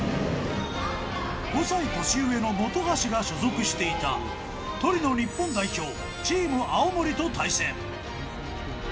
５歳年上の本橋が所属していたトリノ日本代表、チーム青森と対戦。